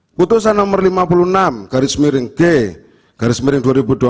keputusan nomor lima puluh enam garis miring g garis miring dua ribu dua puluh